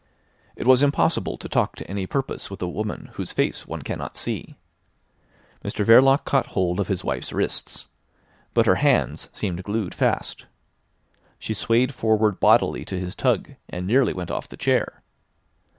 It was impossible to talk to any purpose with a woman whose face one cannot see. Mr Verloc caught hold of his wife's wrists. But her hands seemed glued fast. She swayed forward bodily to his tug, and nearly went off the chair.